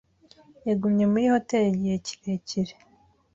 Yagumye muri hoteri igihe kirekire.